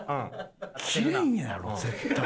切れんやろ絶対。